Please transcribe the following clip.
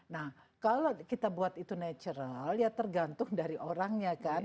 nah kalau kita buat itu natural ya tergantung dari orangnya kan